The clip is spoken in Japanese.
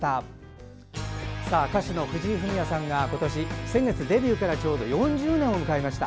歌手の藤井フミヤさんが今年、先月、デビューから４０年を迎えました。